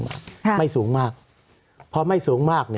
สวัสดีครับทุกคน